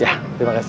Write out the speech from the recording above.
ya terima kasih